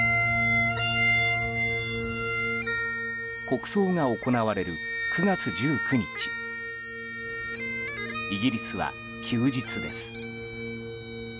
国葬が行われる９月１９日イギリスは休日です。